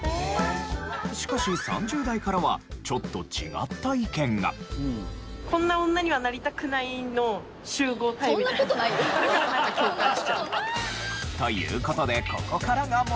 しかし３０代からはちょっと違った意見が。という事でここからが問題。